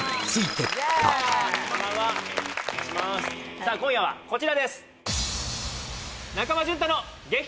さあ今夜はこちらです！